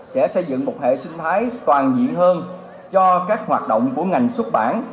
sẽ xây dựng một hệ sinh thái toàn diện hơn cho các hoạt động của ngành xuất bản